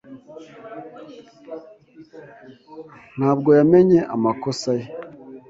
Ntabwo yamenye amakosa ye.